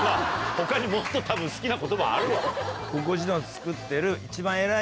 他にもっとたぶん好きな言葉あるわ。